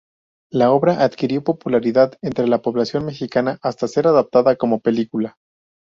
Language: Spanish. La obra adquirió popularidad entre la población mexicana hasta ser adaptada como película.